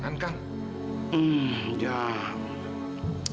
kang kalau kalau nak kira kira teknologi model yang dikira